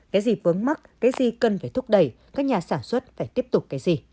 cái gì vướng mắc cái gì cần phải thúc đẩy các nhà sản xuất phải tiếp tục cái gì